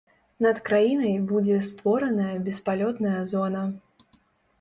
Над краінай будзе створаная беспалётная зона.